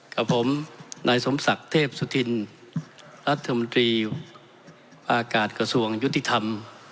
กับผมนายสมศักดิ์เทพสุธินรัฐมนตรีอากาศกระทรวงยุติธรรม